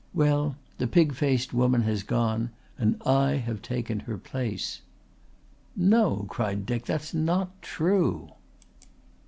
Well, the pig faced woman has gone and I have taken her place." "No," cried Dick. "That's not true."